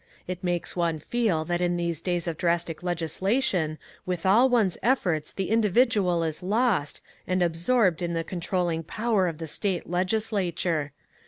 It makes one feel that in these days of drastic legislation with all one's efforts the individual is lost and absorbed in the controlling power of the state legislature.